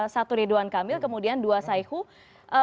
satu ridwan kamil kemudian dua saihu